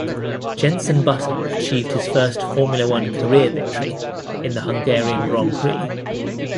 Jenson Button achieved his first Formula One career victory in the Hungarian Grand Prix.